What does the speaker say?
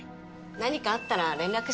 何かあったら連絡して。